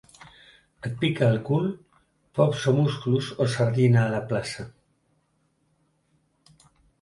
Et pica el cul? Pops o musclos o sardina a la plaça.